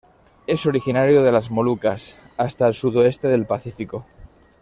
Es originario de las Molucas hasta el sudoeste del Pacífico.